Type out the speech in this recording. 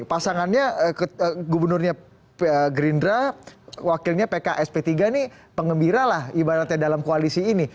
pasangannya gubernurnya gerindra wakilnya pks p tiga ini pengembira lah ibaratnya dalam koalisi ini